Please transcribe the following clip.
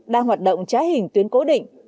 đang hoạt động trái hình tuyến cố định